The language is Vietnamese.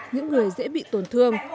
những người dễ bị tổn thương